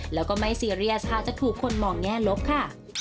แล้วก็ไม่ซีเรียสค่ะจะถูกคนมองแง่ลบค่ะ